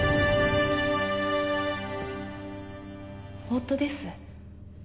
夫です。